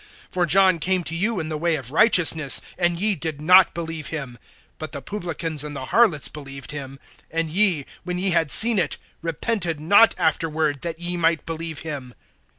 (32)For John came to you in the way of righteousness, and ye did not believe him; but the publicans and the harlots believed him; and ye, when ye had seen it, repented not afterward, that ye might believe him.